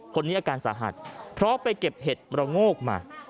คนนี้อาการสาหัสเพราะไปเก็บเห็ดมระโงกมา